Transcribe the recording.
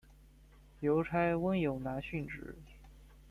邮差温勇男殉职。